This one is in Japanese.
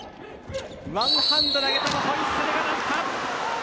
ワンハンド投げたがホイッスルが鳴った。